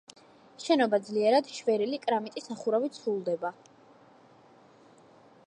შენობა ძლიერად შვერილი კრამიტის სახურავით სრულდება.